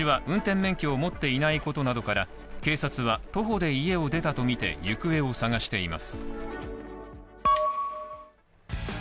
伯父は運転免許を持っていないことなどから、警察は徒歩で家を出たとみて行方を捜しています。